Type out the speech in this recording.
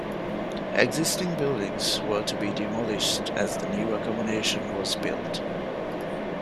Existing buildings were to be demolished as the new accommodation was built.